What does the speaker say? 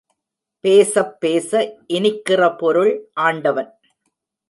பேசப் பேச இனிக்கிற பொருள் ஆண்டவன்.